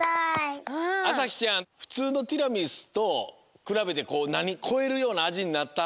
あさひちゃんふつうのティラミスとくらべてこうなにこえるようなあじになった？